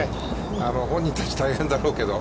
本人たち、大変だろうけど。